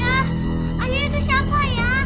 ah ayah itu siapa ya